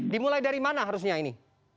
dimulai dari mana harusnya ini